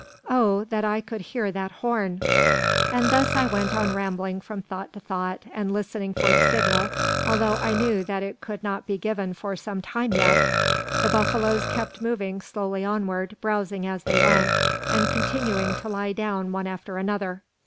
Oh, that I could hear that horn!" And thus I went on rambling from thought to thought, and listening for the signal, although I knew that it could not be given for some time yet. The buffaloes kept moving slowly onward, browsing as they went, and continuing to lie down one after another.